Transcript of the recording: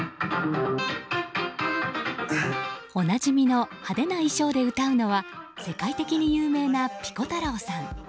おなじみの派手な衣装で歌うのは世界的に有名なピコ太郎さん。